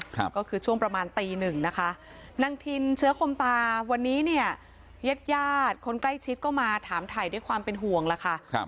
ก็คือช่วงประมาณตีหนึ่งนะคะนางทินเชื้อคมตาวันนี้เนี่ยญาติญาติคนใกล้ชิดก็มาถามถ่ายด้วยความเป็นห่วงล่ะค่ะครับ